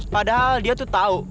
padahal dia tuh tau